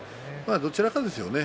どちらかですよね。